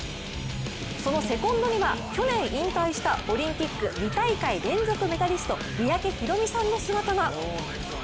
そのセコンドには去年引退したオリンピック２大会連続メダリスト三宅宏実さんの姿が。